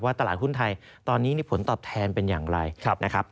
ตลาดหุ้นไทยตอนนี้ผลตอบแทนเป็นอย่างไรนะครับ